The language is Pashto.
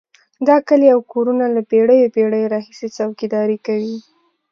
دا کلي او کورونه له پېړیو پېړیو راهیسې څوکیداري کوي.